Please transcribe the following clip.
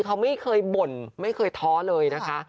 เขาไม่เคยบ่นไม่เคยท้อเลยนะคะ